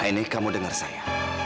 aini kamu dengar saya